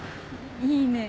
いいね。